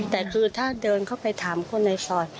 แต่คือถ้าเดินเข้าไปถามคนในซอย